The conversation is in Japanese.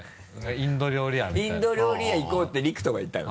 インド料理屋行こうって陸斗が言ったの？